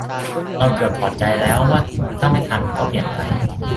เราเกือบถอดใจแล้วว่าถ้าไม่ทันก็เปลี่ยนไป